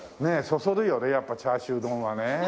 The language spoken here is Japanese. そそるよねやっぱチャーシュー丼はね。